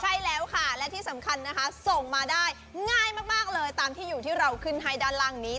ใช่แล้วค่ะและที่สำคัญนะคะส่งมาได้ง่ายมากเลยตามที่อยู่ที่เราขึ้นให้ด้านล่างนี้